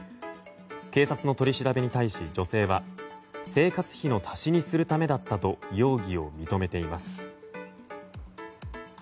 警察の取り調べに対し女性は生活費の足しにするためだったと容疑を認めています。